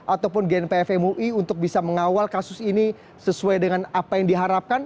ataupun gnpf mui untuk bisa mengawal kasus ini sesuai dengan apa yang diharapkan